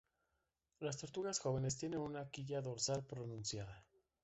Las tortugas jóvenes tienen una quilla dorsal pronunciada.